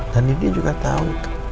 dan nindi juga tau